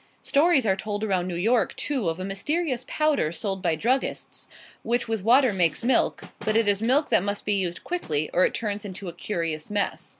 Stories are told around New York, too, of a mysterious powder sold by druggists, which with water makes milk; but it is milk that must be used quickly, or it turns into a curious mess.